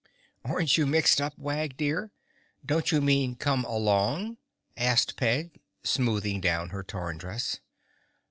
"Aren't you mixed, Wag dear? Don't you mean come along?" asked Peg, smoothing down her torn dress.